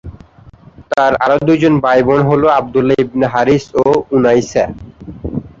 তার আরো দুইজন ভাই বোন হল আবদুল্লাহ ইবনে হারিস ও উনায়সা।